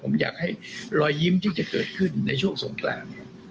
ผมอยากให้รอยยิ้มที่จะเกิดขึ้นในช่วงสงกรานเนี่ย